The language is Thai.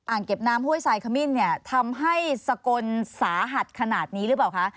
เก็บน้ำห้วยทรายขมิ้นเนี่ยทำให้สกลสาหัสขนาดนี้หรือเปล่าคะ